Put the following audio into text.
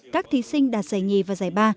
các thí sinh đạt giải hai và giải ba